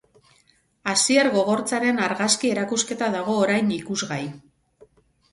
Asier Gogortzaren argazki erakusketa dago orain ikusgai.